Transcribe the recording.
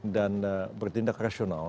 dan bertindak rasional